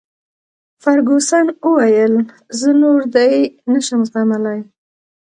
فرګوسن وویل: زه نور دی نه شم زغملای.